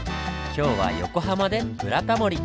今日は横浜で「ブラタモリ」！